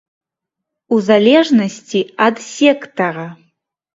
У залежнасці ад сектара.